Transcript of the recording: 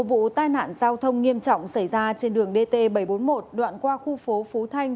vụ tai nạn giao thông nghiêm trọng xảy ra trên đường dt bảy trăm bốn mươi một đoạn qua khu phố phú thanh